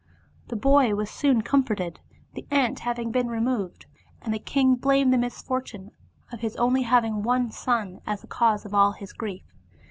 The boy was soon comforted, the ant having been removed, and the king blamed the misfortune of his only having one son as the cause of all his grief.